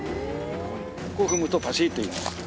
ここを踏むとバシッといきます。